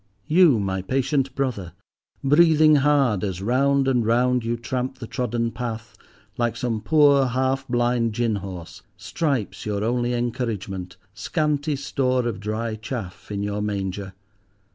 You, my patient brother, breathing hard as round and round you tramp the trodden path, like some poor half blind gin horse, stripes your only encouragement, scanty store of dry chaff in your manger!